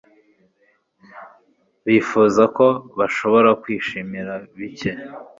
bifuza ko bashobora kwishimira bike